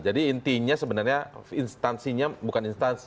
jadi intinya sebenarnya instansinya bukan instansi